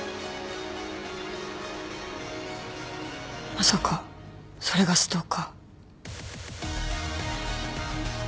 まさかそれがストーカー？